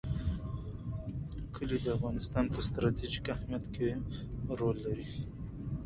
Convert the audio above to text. کلي د افغانستان په ستراتیژیک اهمیت کې رول لري.